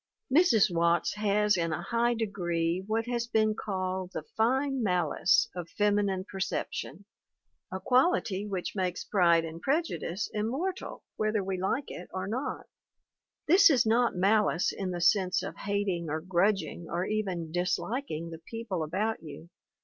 Mrs. Watts has in a high degree what has been called the "fine malice" of feminine perception, a qual ity which makes Pride and Prejudice immortal whether we like it or not; this is not malice in the sense of hating or grudging or even disliking the people about you.